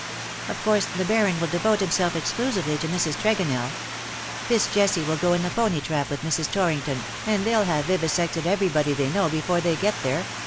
Of course the Baron will devote himself exclusively to Mrs. Tregonell. Fitz Jesse will go in the pony trap with Mrs. Torrington, and they^ll have vivisected everybody they know before they get there.